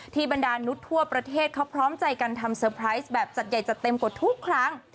บรรดานุษย์ทั่วประเทศเขาพร้อมใจกันทำเซอร์ไพรส์แบบจัดใหญ่จัดเต็มกว่าทุกครั้ง